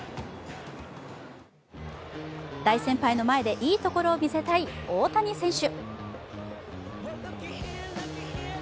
大先輩の前でいいところを見せたい大谷選手。